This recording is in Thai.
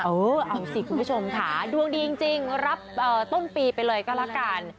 เออเอาสิคุณผู้ชมค่ะดวงดีจริงรับต้นปีไปเลยก็แล้วกัน